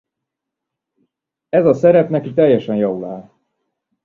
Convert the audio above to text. Ez a szerep neki teljesen jól áll.